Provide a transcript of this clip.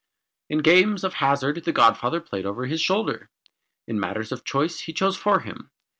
In games of hazard the godfather played over his shoulder. In matters of choice he chose for him.